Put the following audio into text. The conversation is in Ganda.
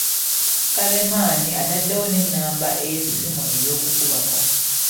Karemani ataddewo n'ennamba ey'essimu ey’okukubako.